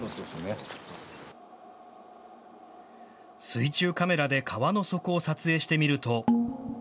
水中カメラで川の底を撮影してみると。